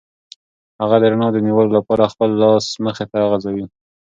هغه د رڼا د نیولو لپاره خپل لاس مخې ته غځوي.